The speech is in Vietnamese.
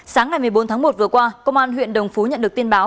sáng ngày một mươi bốn tháng một vừa qua công an huyện đồng phú nhận được tin báo